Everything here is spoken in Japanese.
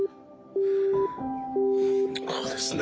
こうですね。